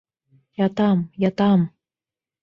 Ятам, ятам!